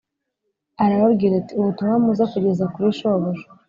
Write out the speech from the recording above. arababwira ati «Ubutumwa muza kugeza kuri shobuja